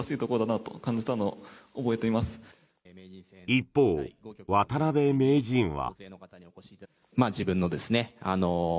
一方、渡辺名人は。